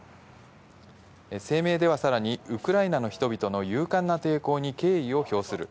声明ではさらに、ウクライナの人々の勇敢な抵抗に敬意を表する。